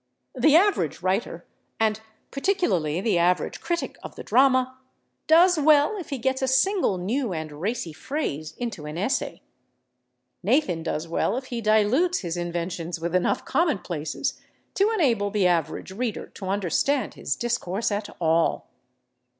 The average writer, and particularly the average critic of the drama, does well if he gets a single new and racy phrase into an essay; Nathan does well if he dilutes his inventions with enough commonplaces to enable the average reader to understand his discourse at all.